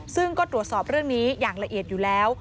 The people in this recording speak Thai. ซึ่งก็ตรวจสอบเรื่องนี้อย่างละเอียดอยู่แล้ว